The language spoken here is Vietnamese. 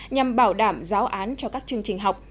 nhằm bảo đảm giáo án cho các chương trình học